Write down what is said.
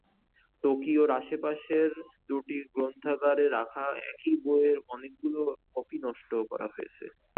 টোকিওর আশপাশের দুটি গ্রন্থাগারে রাখা একই বইয়ের অনেকগুলো কপি নষ্ট করা হয়েছে।